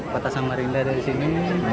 kota samarinda ada di sini